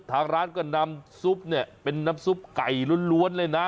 ทางร้านก็นำซุปเนี่ยเป็นน้ำซุปไก่ล้วนเลยนะ